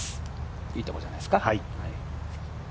いいところじゃないですか。